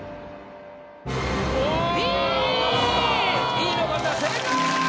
Ｂの方正解！